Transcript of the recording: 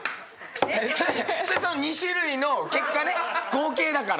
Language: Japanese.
それ２種類の結果ね合計だから。